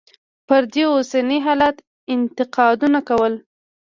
پر دې اوسني حالت انتقادونه کول.